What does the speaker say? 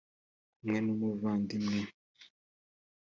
kumwe n’ umuvandimwe.